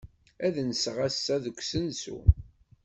Ad nseɣ ass-a deg usensu.